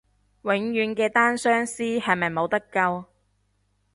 永遠嘅單相思係咪冇得救？